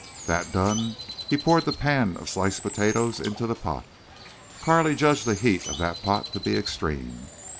That done, he poured the pan of sliced potatoes into the pot. Carley judged the heat of that pot to be extreme.